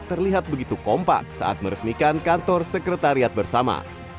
terlihat begitu kompak saat meresmikan kantor sekretariat bersama